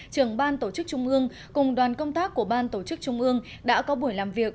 trưởng ban tổ chức trung ương cùng đoàn công tác của ban tổ chức trung ương đã có buổi làm việc